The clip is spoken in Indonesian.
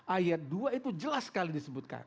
ayat dua itu jelas sekali disebutkan